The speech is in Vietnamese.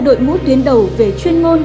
đội ngũ tuyến đầu về chuyên môn